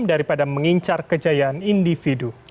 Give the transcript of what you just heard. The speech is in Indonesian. daripada mengincar kejayaan individu